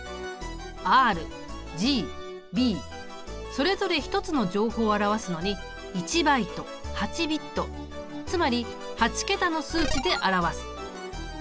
ＲＧＢそれぞれ一つの情報を表すのにつまり８桁の数値で表す。